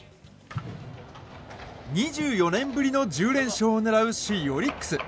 ２４年ぶりの１０連勝を狙う首位オリックス。